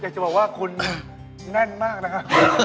อยากจะบอกว่าคุณแน่นมากนะฮะ